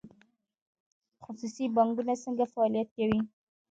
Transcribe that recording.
خصوصي بانکونه څنګه فعالیت کوي؟